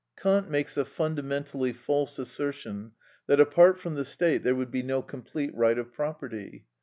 Kant makes the fundamentally false assertion that apart from the state there would be no complete right of property.